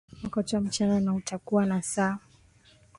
wakati wa mchana na utakuwa na saa